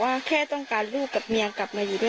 อยากให้เขามอบตัวเพื่อลูก